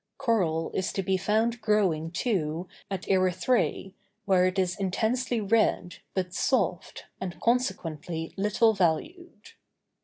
Coral is to be found growing, too, at Erythræ, where it is intensely red, but soft, and consequently little valued.